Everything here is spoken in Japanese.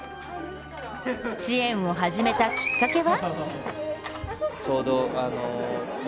支援を始めたきっかけは？